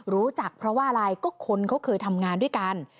รู้จักเพราะว่าอะไรก็คนเขาเคยทำงานด้วยกัน